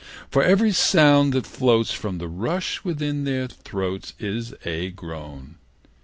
For every sound that floats From the rust within their throats Is a groan.